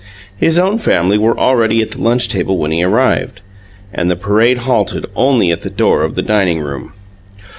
His own family were already at the lunch table when he arrived, and the parade halted only at the door of the dining room.